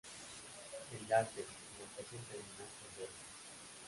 Enlace: en la estación Terminal Sendero.